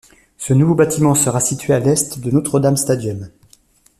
Ce nouveau bâtiment sera situé à l'est du Notre Dame Stadium.